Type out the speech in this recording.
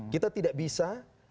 kita tidak bisa